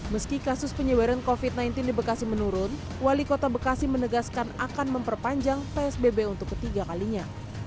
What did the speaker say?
meski kasus penyebaran covid sembilan belas di bekasi menurun wali kota bekasi menegaskan akan memperpanjang psbb untuk ketiga kalinya